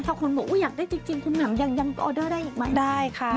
ถ้าคนบอกอยากได้จริงคุณแหม่มยังออเดอร์ได้อีกไหมได้ค่ะ